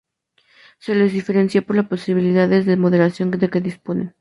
Se les diferencia por las posibilidades de moderación de que disponen.